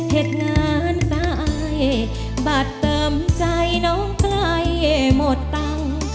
เหตุงานตายบัตรเติมใจน้องใกล้หมดตังค์